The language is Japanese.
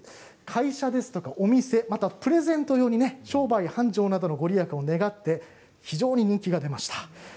会社やお店、プレゼント用に商売繁盛などの御利益を願って非常に人気が出ました。